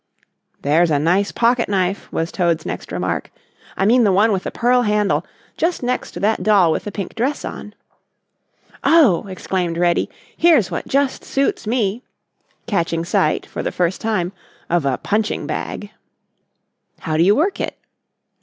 "There's a nice pocket knife," was Toad's next remark. "I mean the one with the pearl handle, just next to that doll with the pink dress on." "Oh!" exclaimed Reddy, "here's what just suits me," catching sight, for the first time, of a punching bag. "How do you work it?"